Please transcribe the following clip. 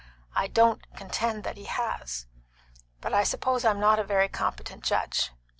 I don't contend that he has; but I suppose I'm not a very competent judge.